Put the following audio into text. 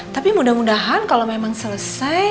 tapi mudah mudahan kalau memang selesai